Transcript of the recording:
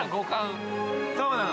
そうなの。